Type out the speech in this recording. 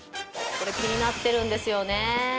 これ気になってるんですよね。